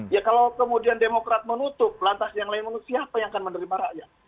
ya kalau kemudian demokrat menutup lantas yang lain menutup siapa yang akan menerima rakyat